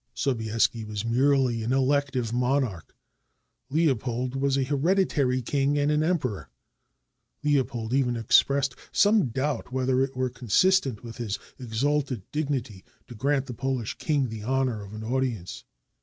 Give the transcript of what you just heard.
Sobieski was merely an elective monarch. Leopold was a hereditary king and an emperor. Leopold even expressed some doubt whether it were consistent with his exalted dignity to grant the Polish king the honor of an audience.